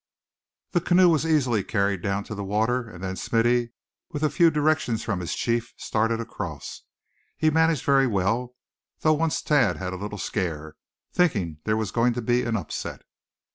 The canoe was easily carried down to the water and then Smithy with a few directions from his chief, started across. He managed very well, though once Thad had a little scare, thinking there was going to be an upset.